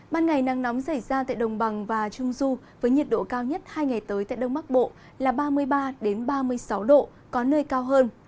ban ngày nắng nóng xảy ra tại đồng bằng và trung du với nhiệt độ cao nhất hai ngày tới tại đông bắc bộ là ba mươi ba ba mươi sáu độ có nơi cao hơn